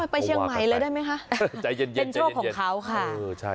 ไปเชียงใหม่เลยได้ไหมคะใจเย็นเป็นโชคของเขาค่ะ